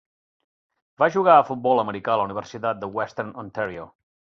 Va jugar a futbol americà a la University of Western Ontario.